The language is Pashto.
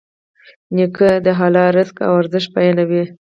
نیکه د حلال رزق ارزښت بیانوي.